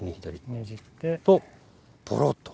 ねじって。とぽろっと。